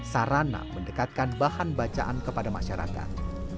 sarana mendekatkan bahan bacaan kepada masyarakat